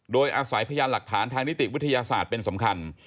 โดยอาศัยพยานหลักฐานทางนิติวิทยาศาสตร์เป็นสำคัญ